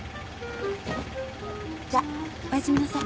じゃおやすみなさい。